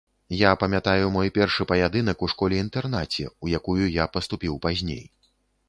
Я памятаю мой першы паядынак у школе-інтэрнаце, у якую я паступіў пазней.